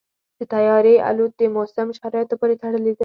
د طیارې الوت د موسم شرایطو پورې تړلې ده.